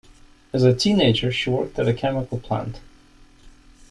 As a teenager she worked at a chemical plant.